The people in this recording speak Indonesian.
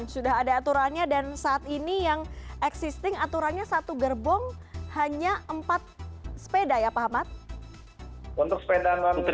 sudah ada aturannya dan saat ini yang existing aturannya satu gerbong hanya empat sepeda ya pak ahmad